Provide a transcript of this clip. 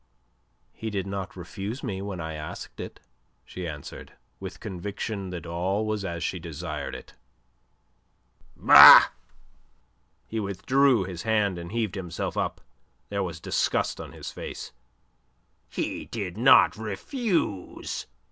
"He did not refuse me when I asked it," she answered, with conviction that all was as she desired it. "Bah!" He withdrew his hand, and heaved himself up. There was disgust on his face. "He did not refuse!"